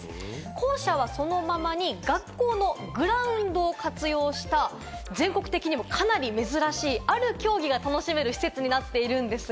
校舎はそのままに、学校のグラウンドを活用した、全国的にもかなり珍しい、ある競技が楽しめる施設になっているんです。